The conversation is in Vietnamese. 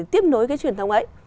tiếp nối cái truyền thông ấy